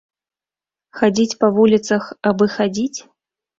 Хадзіць па вуліцах абы хадзіць?